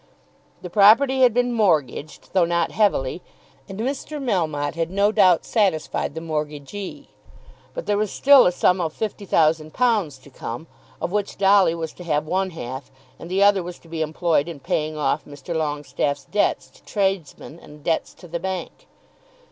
The property had been mortgaged, though not heavily, and Mr. Melmotte had no doubt satisfied the mortgagee; but there was still a sum of £50,000 to come, of which Dolly was to have one half and the other was to be employed in paying off Mr. Longestaffe's debts to tradesmen and debts to the bank.